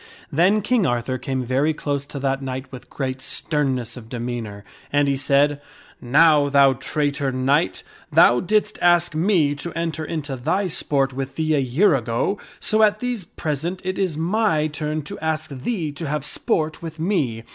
/Then King Arthur came very close to that knight with great sternness of demeanor, and he said, " Now, thou traitor knight! thou didst ask me to enter into thy sport with thee a year ago, so at these present it is my turn to ask thee to have sport with me.